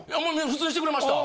普通にしてくれました。